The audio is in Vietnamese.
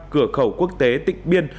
cửa khẩu quốc tế tỉnh biên